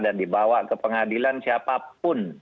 dan dibawa ke pengadilan siapapun